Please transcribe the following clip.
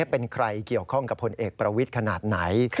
เป็นใครเกี่ยวข้องกับพลเอกประวิทย์ขนาดไหน